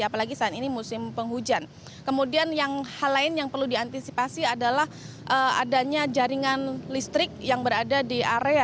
apalagi saat ini musim penghujan kemudian hal lain yang perlu diantisipasi adalah adanya jaringan listrik yang berada di area jalan di kota surabaya